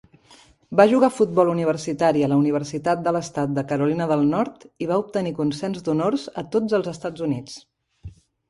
Va jugar a futbol universitari a la Universitat de l'Estat de Carolina del Nord i va obtenir consens d'honors a tots els Estats Units.